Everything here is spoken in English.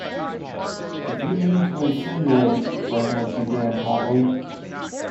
If you mean to insinuate -- Brentwood began hotly.